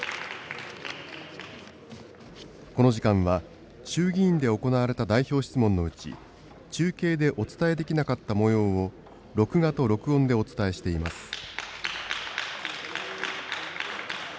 この時間は、衆議院で行われた代表質問のうち、中継でお伝えできなかったもようを、録画と録音でお伝えしています。